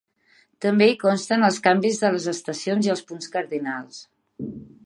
També hi consten els canvis de les estacions i els punts cardinals.